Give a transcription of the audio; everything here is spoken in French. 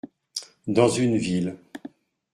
Dans une ville.